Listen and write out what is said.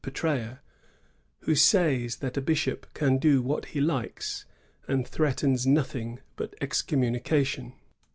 PetrsBa, who says that a bishop can do what he likes^ and threatens nothing but excom munication."